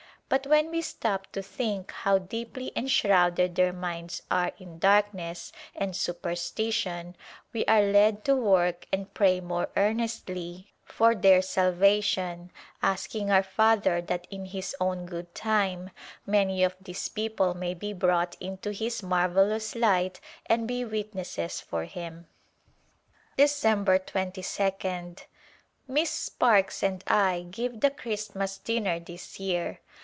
But when we stop to think how deeply enshrouded their minds are in darkness and supersti tion we are led to work and pray more earnestly for Busy Days their salvation, asking our Father that in His own good time many of these people may be brought into His marvellous light and be witnesses for Him. December 2 2d. Miss Sparkes and I give the Christmas dinner this year.